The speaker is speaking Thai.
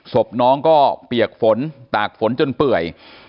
ศพน้องก็เปียกฝนตากฝนจนเปื่อย